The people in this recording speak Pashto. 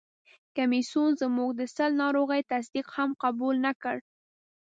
کمیسیون زموږ د سِل ناروغي تصدیق هم قبول نه کړ.